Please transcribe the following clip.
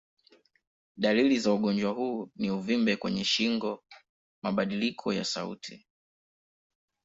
Dalili za ugonjwa huu ni uvimbe kwenye shingo, mabadiliko ya sauti.